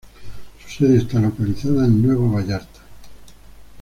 Su sede está localizada en Nuevo Vallarta.